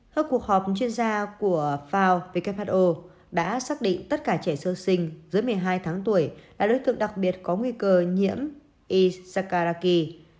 hợp cuộc họp chuyên gia của fao who đã xác định tất cả trẻ sơ sinh dưới một mươi hai tháng tuổi là đối tượng đặc biệt có nguy cơ nhiễm isakaraki